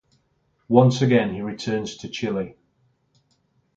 Once again he returns to Chile.